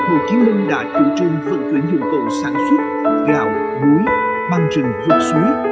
hồ chí minh đã chủ trương phận chuyển dựng cầu sản xuất gạo búi băng rừng vượt suối